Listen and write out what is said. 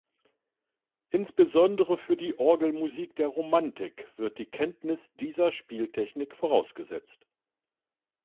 Insbesondere für die Orgelmusik der Romantik wird die Kenntnis dieser Spieltechnik vorausgesetzt.